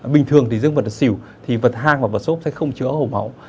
bình thường thì dương vật là xỉu thì vật hang và vật sốt sẽ không chứa hồ máu